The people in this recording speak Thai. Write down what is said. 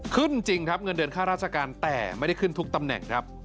จริงครับเงินเดือนค่าราชการแต่ไม่ได้ขึ้นทุกตำแหน่งครับ